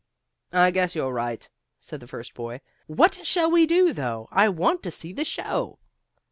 "I guess you're right," said the first boy. "What shall we do, though? I want to see the show."